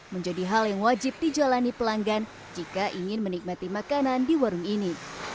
menjadi hal yang wajib dijalani pelanggan jika ingin menikmati makanan di warung ini